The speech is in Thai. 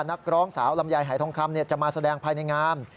นักร้องสาวลำไยหายทองคำจะมาแสดงภายในงาน